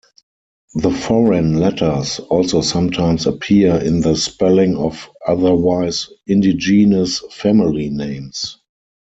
The "foreign" letters also sometimes appear in the spelling of otherwise-indigenous family names.